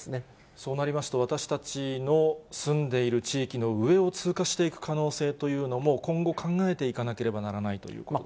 そうなりますと、私たちの住んでいる地域の上を通過していく可能性というのも、今後、考えていかなければならないということですね。